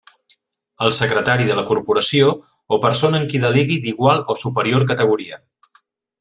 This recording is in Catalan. El secretari de la corporació o persona en qui delegui d'igual o superior categoria.